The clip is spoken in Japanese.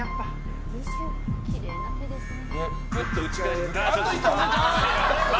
きれいな手ですね。